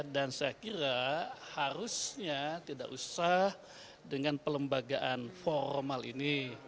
dan saya kira harusnya tidak usah dengan pelembagaan formal ini